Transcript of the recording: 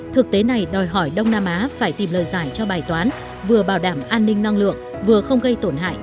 thực tế này đòi hỏi đông nam á phải tìm lời giải cho bài toán vừa bảo đảm an ninh năng lượng vừa không gây tổn hại